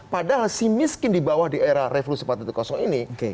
padahal si miskin di bawah di era revolusi empat ini